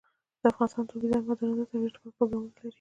افغانستان د اوبزین معدنونه د ترویج لپاره پروګرامونه لري.